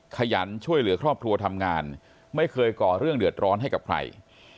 ขยันช่วยเหลือครอบครัวทำงานไม่เคยก่อเรื่องเดือดร้อนให้กับใคร